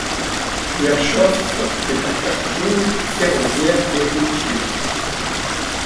Ierchov est un carrefour ferroviaire et routier.